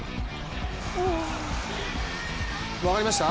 分かりました？